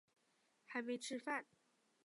还没吃饭